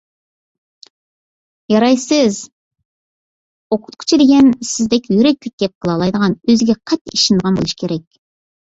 يارايسىز! ئوقۇتقۇچى دېگەن سىزدەك يۈرەكلىك گەپ قىلالايدىغان، ئۆزىگە قەتئىي ئىشىنىدىغان بولۇشى كېرەك.